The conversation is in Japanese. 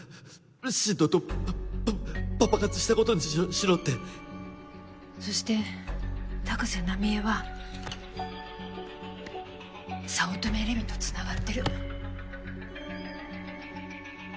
新堂とパパパ活したことにしろってそして高瀬奈美江は早乙女麗美と繋がってる。